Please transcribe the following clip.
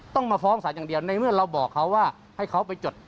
ต้องมาฟ้องศาลอย่างเดียวในเมื่อเราบอกเขาว่าให้เขาไปจด